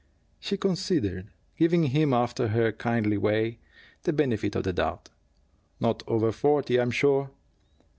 She considered, giving him, after her kindly way, the benefit of the doubt. "Not over forty, I'm sure."